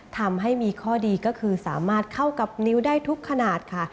ทำให้มีข้อดีก็คือสามารถเข้ากับนิ้วได้ทุกขนาดค่ะ